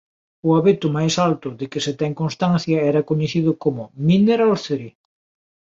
O abeto máis alto de que se ten constancia era coñecido como "Mineral Tree".